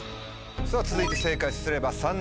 さぁ続いて正解すれば。